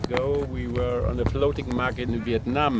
kami berada di pasar terapung di vietnam